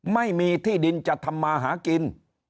ไม่มีที่ดินจะทำมาหากิน